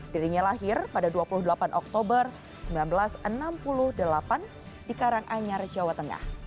dirinya lahir pada dua puluh delapan oktober seribu sembilan ratus enam puluh delapan di karanganyar jawa tengah